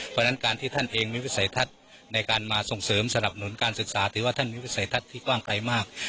เพราะฉะนั้นการที่ท่านเองมีวิสัยทัศน์ในการมาส่งเสริมสนับสนุนการศึกษาถือว่าท่านมีวิสัยทัศน์ที่กว้างไกลมาก